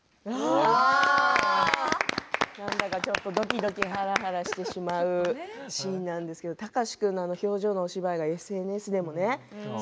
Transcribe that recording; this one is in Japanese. なんだか、ちょっとドキドキはらはらしてしまうシーンなんですけど、貴司君のあの表情のお芝居がＳＮＳでもすごい話題になってて